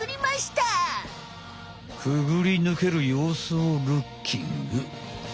くぐりぬけるようすをルッキング！